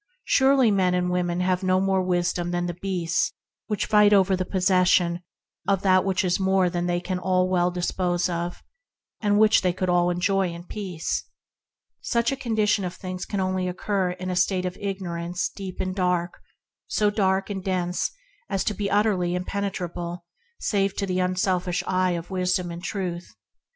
Surely men and women have no more wisdom than the fowls and the beasts that fight over the possession of more than they can all well use, which all could enjoy in peace. Such a condition of things can only obtain in a state of ignorance deep and dark; so dark and dense as to be utterly impenetrable save to the unselfish eye of wisdom and truth.